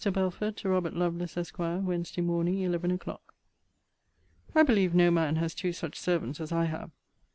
BELFORD, TO ROBERT LOVELACE, ESQ. WEDNESDAY MORN. 11 O'CLOCK. I believe no man has two such servants as I have.